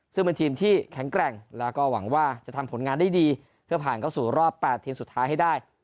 ซึ่งเป็นทีมที่แข็งแกร่งแล้วก็หวังว่าจะทำผลงานได้ดีเพื่อผ่านเข้าสู่รอบ๘ทีมสุดท้ายให้ได้